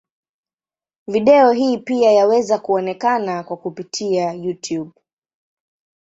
Video hii pia yaweza kuonekana kwa kupitia Youtube.